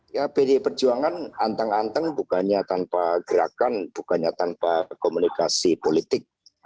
ya pdi perjuangan anteng anteng bukannya tanpa gerakan bukannya tanpa komunikasi politik